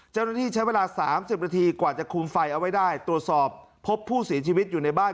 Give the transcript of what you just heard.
เจ้าหน้าที่ใช้เวลา๓๐นาทีกว่าจะคุมไฟเอาไว้ได้ตรวจสอบพบผู้เสียชีวิตอยู่ในบ้าน